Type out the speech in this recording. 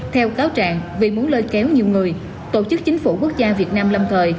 theo cáo trạng vì muốn lôi kéo nhiều người tổ chức chính phủ quốc gia việt nam lâm thời